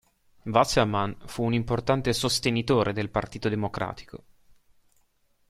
Wasserman fu un importante sostenitore del Partito Democratico.